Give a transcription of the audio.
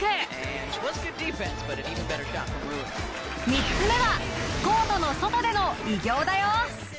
３つ目はコートの外での偉業だよ。